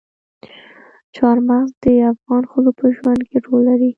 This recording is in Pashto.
چار مغز د افغان ښځو په ژوند کې رول لري.